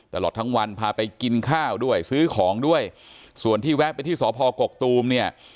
ตลอดทั้งวันพาไปกินข้าวด้วยซื้อของด้วยส่วนที่แวะไปที่สพกกตูมเนี่ย